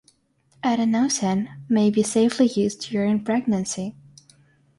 Adenosine may be safely used during pregnancy.